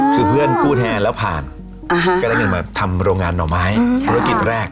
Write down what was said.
คือเพื่อนกู้แทนแล้วผ่านก็ได้เงินมาทำโรงงานหน่อไม้ธุรกิจแรก